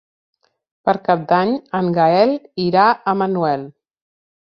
Per Cap d'Any en Gaël irà a Manuel.